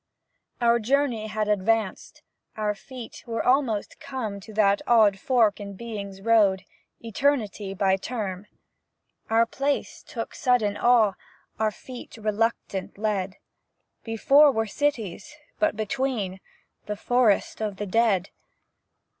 Our journey had advanced; Our feet were almost come To that odd fork in Being's road, Eternity by term. Our pace took sudden awe, Our feet reluctant led. Before were cities, but between, The forest of the dead.